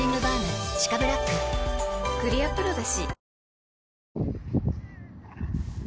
クリアプロだＣ。